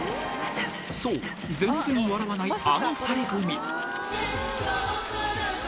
そう、全然笑わないあの２人組。